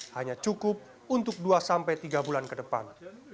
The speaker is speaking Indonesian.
hanya cukup untuk dua sampai tiga bulan ke depan